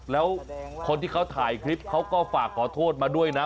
แล้วคนที่เขาถ่ายคลิปเขาก็ฝากขอโทษมาด้วยนะ